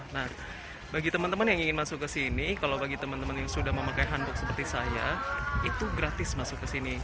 nah bagi teman teman yang ingin masuk ke sini kalau bagi teman teman yang sudah memakai hanbox seperti saya itu gratis masuk ke sini